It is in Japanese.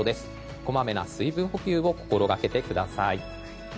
こまめな水分補給を心がけてください。